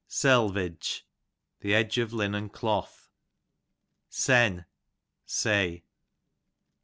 Selvege, the edge of linen cloth. Sen, say.